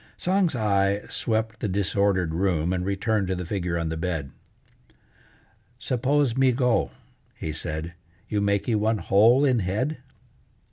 Tsang's eye swept the disordered room and returned to the figure on the bed. "Suppose me go," he said, "you makee one hole in head?"